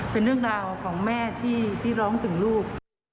เป็นเรื่องราวของแม่ที่ร้องถึงลูก